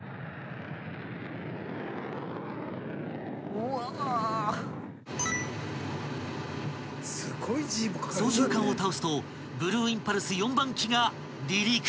［操縦かんを倒すとブルーインパルス４番機が離陸］